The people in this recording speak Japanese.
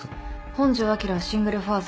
本庄昭はシングルファーザー。